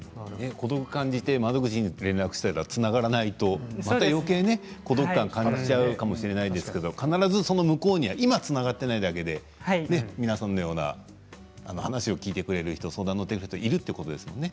孤独を感じて窓口へ連絡して、つながらないとまたよけい孤独感を感じちゃうかもしれないですけど必ず向こうには今、つながっていないだけで皆さんのような話を聞いてくれる人相談に乗ってくれる人がいるということですね。